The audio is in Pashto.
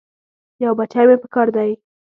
یو بچی مې پکار دی.